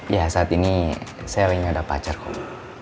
ya saat ini saya lagi ada pacar kok